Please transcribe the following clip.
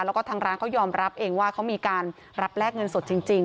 แล้วก็ทางร้านเขายอมรับเองว่าเขามีการรับแลกเงินสดจริง